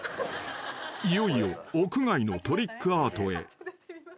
［いよいよ屋外のトリックアートへ］